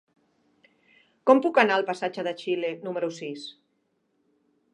Com puc anar al passatge de Xile número sis?